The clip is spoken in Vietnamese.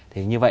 thì như vậy